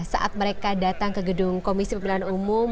saat mereka datang ke gedung komisi pemilihan umum